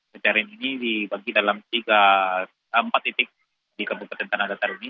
pencarian ini dibagi dalam tiga empat titik di kabupaten tanah datar ini